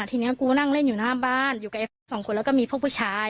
ทีนี้กูนั่งเล่นอยู่หน้าบ้านอยู่กับไอ้แฟนสองคนแล้วก็มีพวกผู้ชาย